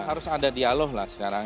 harus ada dialog lah sekarang